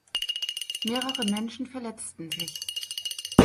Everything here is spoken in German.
Mehrere Menschen verletzten sich.